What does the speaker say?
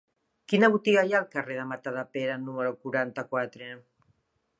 Quina botiga hi ha al carrer de Matadepera número quaranta-quatre?